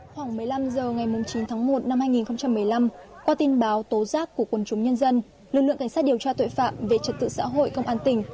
khoảng một mươi năm h ngày chín tháng một năm hai nghìn một mươi năm qua tin báo tố giác của quân chúng nhân dân lực lượng cảnh sát điều tra tội phạm về trật tự xã hội công an tỉnh